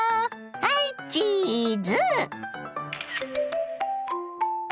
はいチーズ！